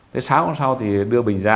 thế sáng hôm sau thì đưa bình ra